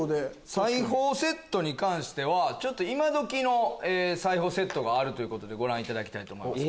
裁縫セットに関しては今どきの裁縫セットがあるということでご覧いただきたいと思います。